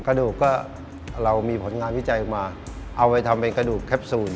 กระดูกก็เรามีผลงานวิจัยออกมาเอาไปทำเป็นกระดูกแคปซูล